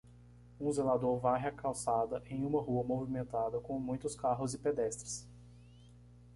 Um zelador varre a calçada em uma rua movimentada com muitos carros e pedestres.